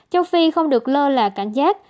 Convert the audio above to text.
châu phi không được lơ là cảnh giác